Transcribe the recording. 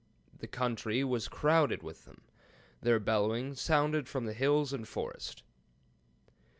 The country was crowded with them. Their bellowings sounded from the hills and forest."